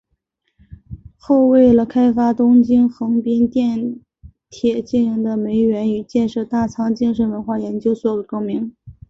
后为了开发东京横滨电铁经营的梅园与建设大仓精神文化研究所而更名。